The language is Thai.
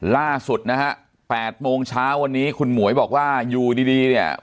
ล่าสุดนะฮะ๘โมงเช้าวันนี้คุณหมวยบอกว่าอยู่ดีเนี่ย